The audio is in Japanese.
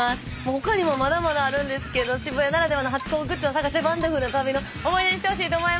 他にもまだまだあるんですけど渋谷ならではのハチ公グッズを探してワンダフルな旅の思い出にしてほしいと思います。